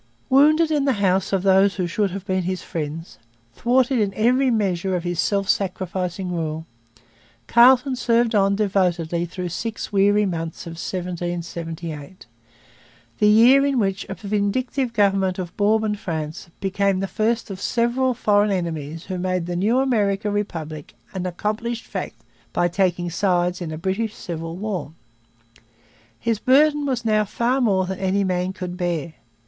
Wounded in the house of those who should have been his friends, thwarted in every measure of his self sacrificing rule, Carleton served on devotedly through six weary months of 1778 the year in which a vindictive government of Bourbon France became the first of the several foreign enemies who made the new American republic an accomplished fact by taking sides in a British civil war. His burden was now far more than any man could bear.